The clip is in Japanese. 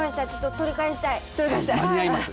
取り返したい。